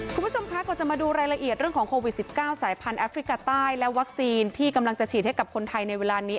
คุณผู้ชมคะก่อนจะมาดูรายละเอียดเรื่องของโควิด๑๙สายพันธแอฟริกาใต้และวัคซีนที่กำลังจะฉีดให้กับคนไทยในเวลานี้